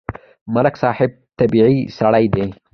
ملک صاحب طبیعتی سړی دی.